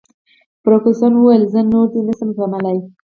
فرګوسن وویل: زه نور دی نه شم زغملای.